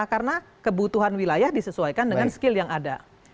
karena kebutuhan wilayah disesuaikan dengan skill yang ada